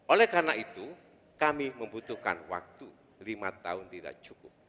oleh karena itu kami membutuhkan waktu lima tahun tidak cukup